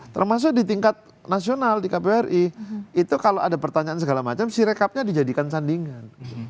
termasuk di tingkat nasional di kbri itu kalau ada pertanyaan segala macam sirekapnya dijadikan sandingan